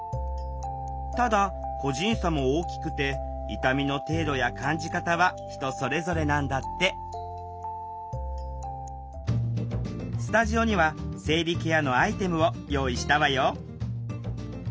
ただ個人差も大きくて痛みの程度や感じ方は人それぞれなんだってスタジオには生理ケアのアイテムを用意したわよ。